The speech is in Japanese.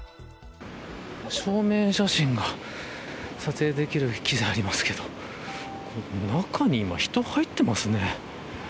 証明写真が撮影できる機材がありますけど中に今、人が入っていますね。